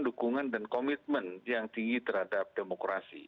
dukungan dan komitmen yang tinggi terhadap demokrasi